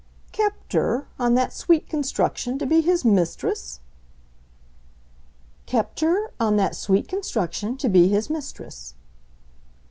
"Kept her, on that sweet construction, to be his mistress?" "Kept her, on that sweet construction, to be his mistress."